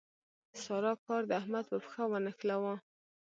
سارا کار د احمد په پښه ونښلاوو.